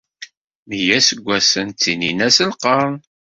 Meyya n yiseggasen ttinin-as lqern.